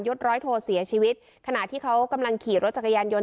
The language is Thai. ร้อยโทเสียชีวิตขณะที่เขากำลังขี่รถจักรยานยนต